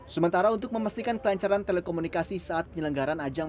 sementara untuk memastikan kelancaran telekomunikasi saat penyelenggaran ajang